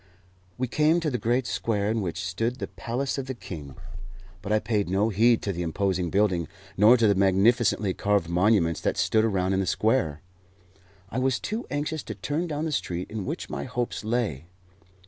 We came to the great square in which stood the palace of the king, but I paid no heed to the imposing building nor to the magnificently carved monuments that stood around in the square. I was too anxious to turn down the street in which my hopes lay.